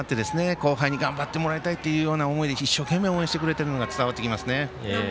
後輩に頑張ってもらいたいという思いで一生懸命応援してくれているのが伝わってきますね。